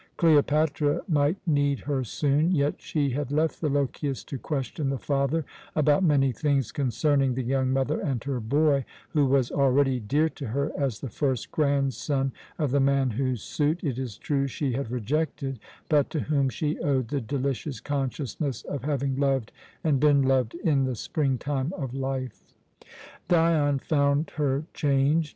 Cleopatra might need her soon, yet she had left the Lochias to question the father about many things concerning the young mother and her boy, who was already dear to her as the first grandson of the man whose suit, it is true, she had rejected, but to whom she owed the delicious consciousness of having loved and been loved in the springtime of life. Dion found her changed.